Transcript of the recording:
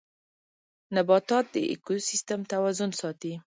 نباتات د ايکوسيستم توازن ساتي